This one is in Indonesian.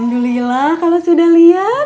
alhamdulillah kalau sudah lihat